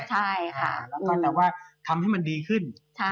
แล้วก็ทำให้มันดีขึ้น